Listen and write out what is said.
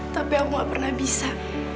tapi aku gak pernah bisa